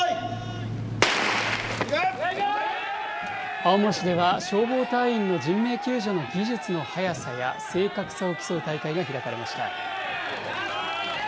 青森市では、消防隊員の人命救助の技術の速さや正確さを競う大会が開かれまし